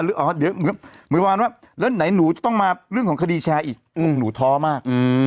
เหมือนวันไหนหนูจะมาเรื่องของคดีแชร์อีกหนูท้อมาก